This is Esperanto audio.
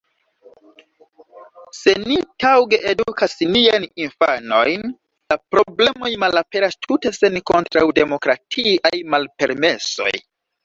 Se ni taŭge edukas niajn infanojn, la problemoj malaperas tute sen kontraŭdemokratiaj malpermesoj.